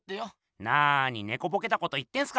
なにねこぼけたこと言ってんすか！